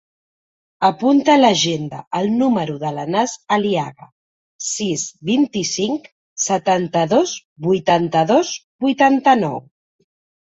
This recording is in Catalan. Apunta a l'agenda el número de l'Anas Aliaga: sis, vint-i-cinc, setanta-dos, vuitanta-dos, vuitanta-nou.